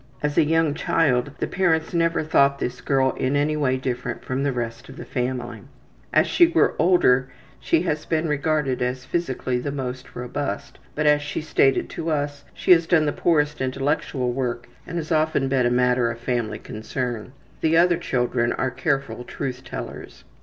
As a young child the parents never thought this girl in any way different from the rest of the family. As she grew older she has been regarded as physically the most robust, but, as she stated to us, she has done the poorest intellectual work and that has often been a matter of family comment. The other children are careful truth tellers.